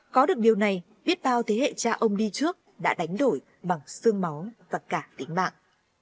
có được điều này biết bao thế hệ cha ông đi trước đã đánh đổi bằng xương máu và cả tính mạng